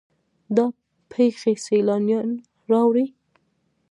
دا پیښې سیلانیان راوړي.